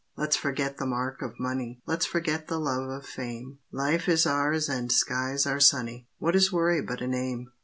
Let's forget the mark of money, Let's forget the love of fame. Life is ours and skies are sunny; What is worry but a name?